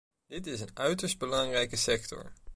Dit is een uiterst belangrijke sector.